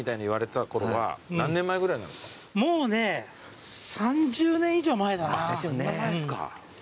もうね３０年以上前だな。ですよね。